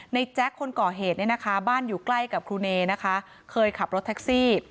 ในแจ๊กคนก่อเหตุบ้านอยู่ใกล้กับครูเนย์เคยขับรถแท็กซี่